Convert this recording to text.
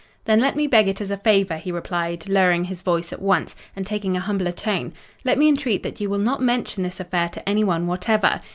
"'Then let me beg it as a favour,' he replied, lowering his voice at once, and taking a humbler tone: 'let me entreat that you will not mention this affair to anyone whatever.